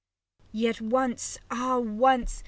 Yet once, ah once